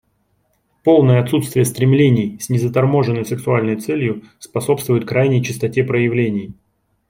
Полное отсутствие стремлений с незаторможенной сексуальной целью способствует крайней чистоте проявлений.